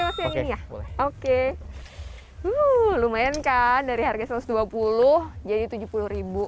yang ini ya oke lumayan kan dari harga satu ratus dua puluh jadi tujuh puluh jadi budgetnya nggak perlu banyak banyak